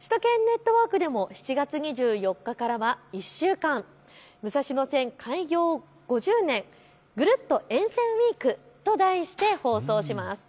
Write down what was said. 首都圏ネットワークでも７月２４日から１週間、武蔵野線開業５０年ぐるっと沿線ウイークと題して放送します。